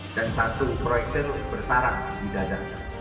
dan satu proyekter bersara di dada